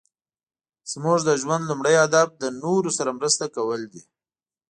زموږ د ژوند لومړی هدف د نورو سره مرسته کول دي.